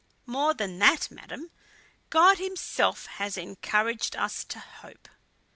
"More than that, madam, God himself has encouraged us to hope."